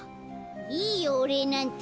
いいよおれいなんて。